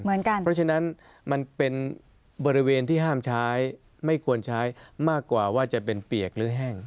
เพราะฉะนั้นมันเป็นบริเวณที่ห้ามใช้ไม่ควรใช้มากกว่าว่าจะเป็นเปียกหรือแห้ง